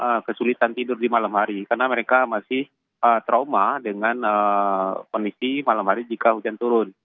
mereka kesulitan tidur di malam hari karena mereka masih trauma dengan kondisi malam hari jika hujan turun